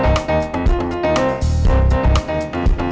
harus berbaris di sini